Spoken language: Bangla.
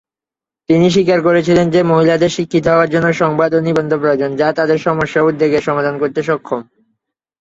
তিনি স্বীকার করেছিলেন যে মহিলাদের শিক্ষিত হওয়ার জন্য সংবাদ ও নিবন্ধ প্রয়োজন, যা তাদের সমস্যা ও উদ্বেগের সমাধান করতে সক্ষম।